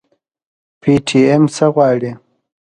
پي ټي ايم څه غواړي؟